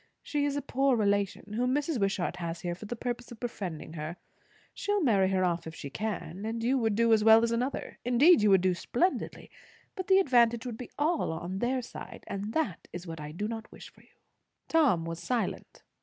She is a poor relation, whom Mrs. Wishart has here for the purpose of befriending her; she'll marry her off if she can; and you would do as well as another. Indeed you would do splendidly; but the advantage would be all on their side; and that is what I do not wish for you." Tom was silent.